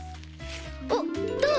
おっどう？